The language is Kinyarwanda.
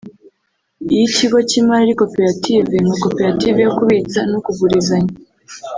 iyo ikigo cy’imari ari Koperative [nka koperative yo kubitsa no kugurizanya]